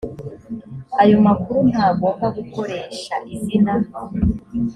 ayo makuru ntagomba gukoresha izina